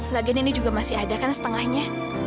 lagi ini juga masih ada kan setengahnya